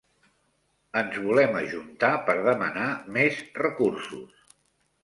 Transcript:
Ens volem ajuntar per demanar més recursos.